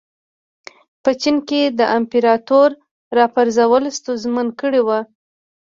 په چین کې د امپراتور راپرځول ستونزمن کړي وو.